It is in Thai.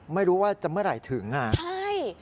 ไม่รู้ว่าจะเมื่อไหร่ถึงอ่ะใช่